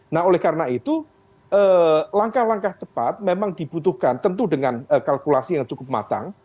nah oleh karena itu langkah langkah cepat memang dibutuhkan tentu dengan kalkulasi yang cukup matang